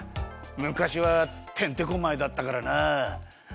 むかしはてんてこまいだったからな。